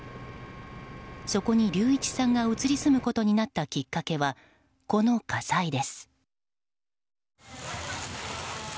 そこに隆一さんが移り住むことになったきっかけはこの火災です。